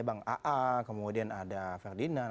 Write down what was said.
bang aa kemudian ada ferdinand